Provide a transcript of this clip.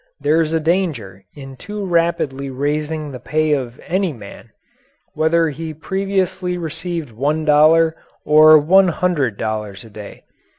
There is a danger in too rapidly raising the pay of any man whether he previously received one dollar or one hundred dollars a day.